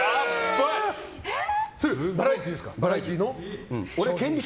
それバラエティーですか。